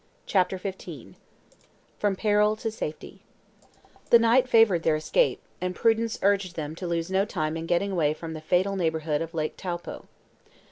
CHAPTER XV FROM PERIL TO SAFETY THE night favored their escape, and prudence urged them to lose no time in getting away from the fatal neighborhood of Lake Taupo.